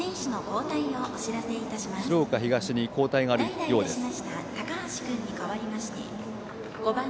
鶴岡東に交代があるようです。